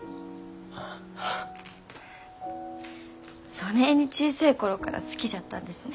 そねえに小せえ頃から好きじゃったんですね。